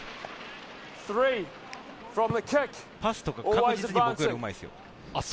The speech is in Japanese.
パスとか確実に僕よりうまいですよ。